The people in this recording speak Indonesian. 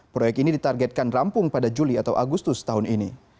proyek ini ditargetkan rampung pada juli atau agustus tahun ini